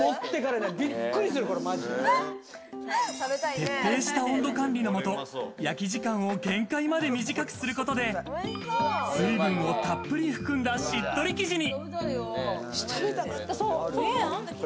徹底した温度管理のもと、焼き時間を限界まで短くすることで、水分をたっぷり含んだしっとり生地に。